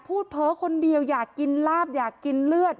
เผลอคนเดียวอยากกินลาบอยากกินเลือด